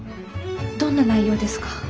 どんな内容ですか？